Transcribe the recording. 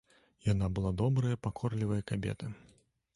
Яна была добрая, пакорлівая кабета.